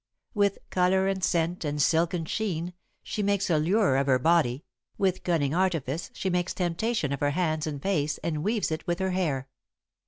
With colour and scent and silken sheen, she makes a lure of her body; with cunning artifice she makes temptation of her hands and face and weaves it with her hair.